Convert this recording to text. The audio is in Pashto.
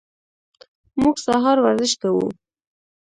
موږ سهار ورزش کوو.